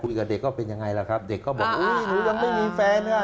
ยังไงล่ะครับเด็กก็บอกหนูยังไม่มีแฟนค่ะ